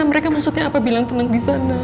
mereka maksudnya apa bilang tenang di sana